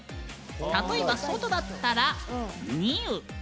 例えば「外」だったら「にう」。